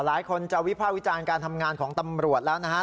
หลายคนจะวิภาควิจารณ์การทำงานของตำรวจแล้วนะฮะ